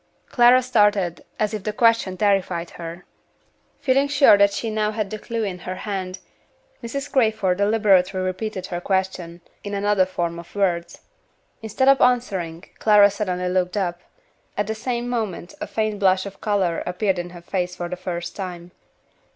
Clara started as if the question terrified her. Feeling sure that she now had the clew in her hand, Mrs. Crayford deliberately repeated her question, in another form of words. Instead of answering, Clara suddenly looked up. At the same moment a faint flush of color appeared in her face for the first time.